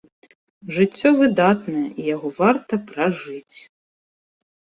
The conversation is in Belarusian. Жыццё выдатнае, і яго варта пражыць.